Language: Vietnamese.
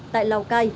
tại lào cây